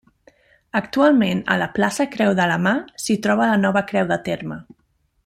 Actualment a la plaça Creu de la Mà s'hi troba la nova creu de terme.